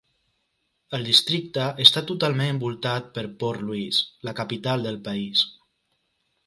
El districte està totalment envoltat per Port Louis, la capital del país.